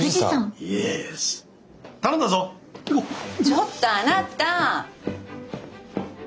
ちょっとあなた！